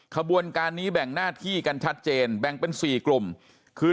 ขบวนการนี้แบ่งหน้าที่กันชัดเจนแบ่งเป็น๔กลุ่มคือ